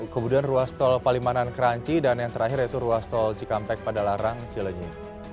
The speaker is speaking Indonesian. kemudian ruas tol palimanan keranci dan yang terakhir yaitu ruas tol cikampek padalarang cilenye